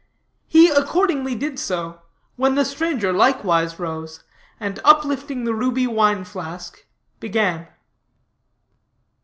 He accordingly did so, when the stranger likewise rose, and uplifting the ruby wine flask, began.